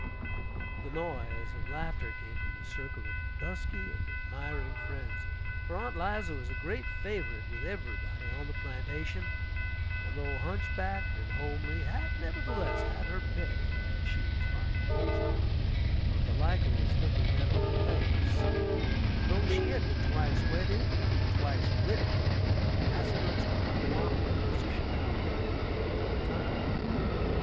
The noise and laughter came from a circle of dusky and admiring friends, for Aunt 'Liza was a great favorite with everybody on the plantation, and though hunchbacked and homely, had, nevertheless, had her pick, as she was fond of boasting, of the likeliest looking men on the place; and though she had been twice wedded and twice widowed, aspirants were not wanting for the position now vacant for a third time.